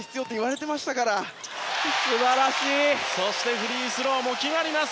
フリースローも決まります